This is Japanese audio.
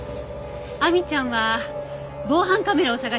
亜美ちゃんは防犯カメラを探して映像を分析。